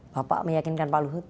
bapak meyakinkan pak luhut